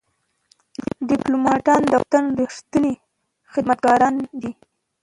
ډيپلومات د وطن ریښتینی خدمتګار دی.